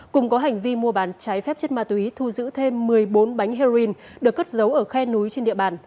cùng có hành vi mua bán trái phép chất ma túy thu giữ thêm một mươi bốn bánh heroin được cất giấu ở khe núi trên địa bàn